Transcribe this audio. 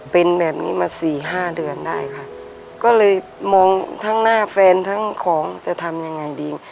เป็นแบบนี้มาสี่ห้าเดือนได้ค่ะก็เลยมองทั้งหน้าแฟนทั้งของจะทำยังไงดี